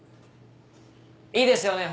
いいですよね？